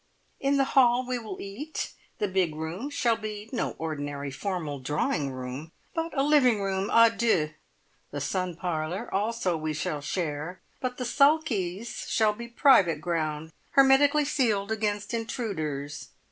"In the hall we will eat; the big room shall be no ordinary formal drawing room, but a living room a deux. The sun parlour also we shall share, but the `sulkies' shall be private ground, hermetically sealed against intruders!